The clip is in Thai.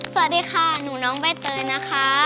สวัสดีค่ะหนูน้องใบเตยนะคะ